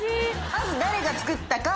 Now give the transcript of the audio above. まず誰が作ったか？